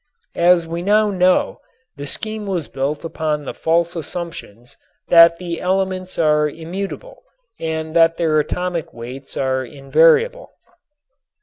As we now know, the scheme was built upon the false assumptions that the elements are immutable and that their atomic weights are invariable.